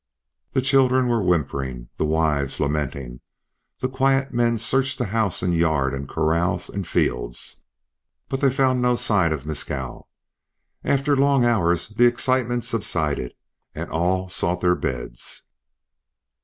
The children were whimpering, the wives lamenting. The quiet men searched the house and yard and corrals and fields. But they found no sign of Mescal. After long hours the excitement subsided and all sought their beds.